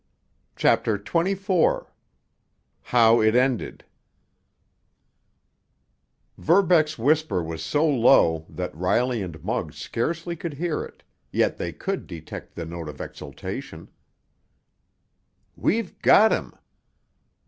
CHAPTER XXIV—HOW IT ENDED Verbeck's whisper was so low that Riley and Muggs scarcely could hear it, yet they could detect the note of exultation: "We've got him!"